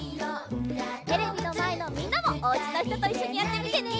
テレビのまえのみんなもおうちのひとといっしょにやってみてね！